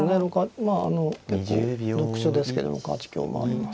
まああの結構俗手ですけども６八香もあります。